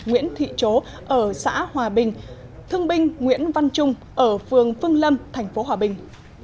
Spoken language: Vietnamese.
nguyễn thị chố ở xã hòa bình thương binh nguyễn văn trung ở phường phương lâm thành phố hòa bình